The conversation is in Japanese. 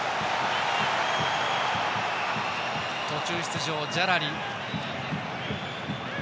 途中出場、ジャラリ。